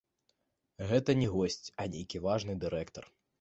Гэта не госць, а нейкі важны дырэктар.